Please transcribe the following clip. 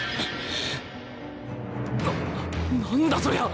な何だそりゃ？